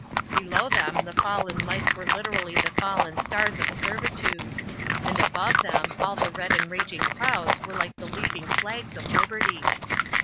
Below them the fallen lights were literally the fallen stars of servitude. And above them all the red and raging clouds were like the leaping flags of liberty.